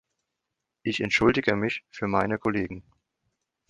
Ich entschuldige mich für meine Kollegen.